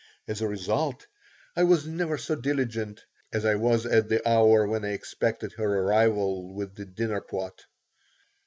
As a result, I was never so diligent as I was at the hour when I expected her arrival with the dinner pot.